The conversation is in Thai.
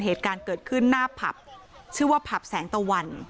เหตุการณ์เกิดขึ้นหน้าผับชื่อว่าผับแสงตะวัน